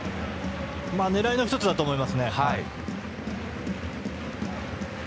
狙いの１つだと思いますね。